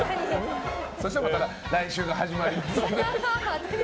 そしたらまた来週が始まりますので。